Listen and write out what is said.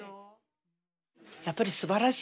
やっぱりすばらしい方だよ。